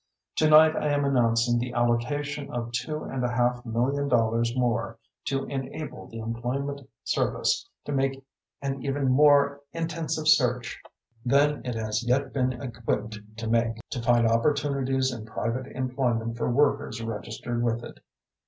Tonight I am announcing the allocation of two and a half million dollars more to enable the Employment Service to make an even more intensive search then it has yet been equipped to make, to find opportunities in private employment for workers registered with it.